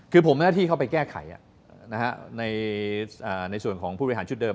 คือผมมีหน้าที่เข้าไปแก้ไขในส่วนของผู้บริหารชุดเดิม